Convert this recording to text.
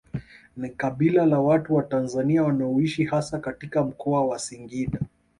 Ni kabila la watu wa Tanzania wanaoishi hasa katika Mkoa wa Singida